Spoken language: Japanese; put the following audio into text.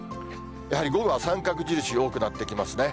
やはり午後は三角印が多くなってきますね。